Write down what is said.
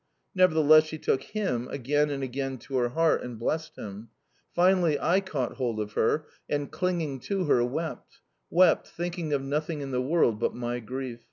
Nevertheless she took him again and again to her heart, and blessed him. Finally I caught hold of her, and, clinging to her, wept wept, thinking of nothing in the world but my grief.